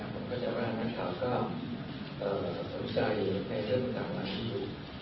ผมก็จะว่านักข่าวก็สนุกใจในเรื่องจังหวัดที่อยู่